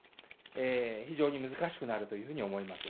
非常に難しくなるというふうに思います。